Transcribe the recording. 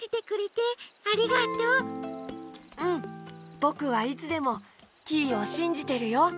ぼくはいつでもキイをしんじてるよ！